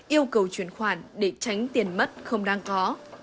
yêu cầu chuyển khoản để tránh tiền mất không đáng có